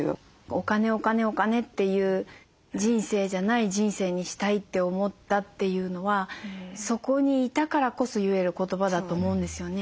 お金お金お金という人生じゃない人生にしたいって思ったというのはそこにいたからこそ言える言葉だと思うんですよね。